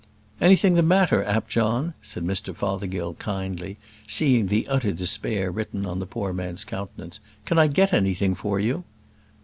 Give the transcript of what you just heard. "Anything the matter, Apjohn?" said Mr Fothergill, kindly, seeing the utter despair written on the poor man's countenance; "can I get anything for you?"